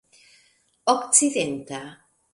okcidenta